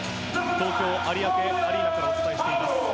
東京・有明アリーナからお伝えしています。